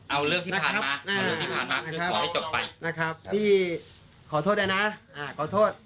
เอาเรื่องที่ผ่านมาขอให้จบไปนะครับพี่ขอโทษได้นะขอโทษ